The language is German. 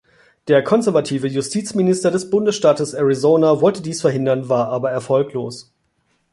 Der konservative Justizminister des Bundesstaates Arizona wollte dies verhindern, war aber erfolglos.